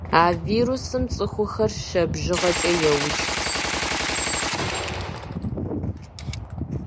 А вирусым цӏыхухэр щэ бжыгъэкӏэ еукӏ.